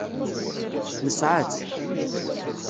Nesɛa-tt.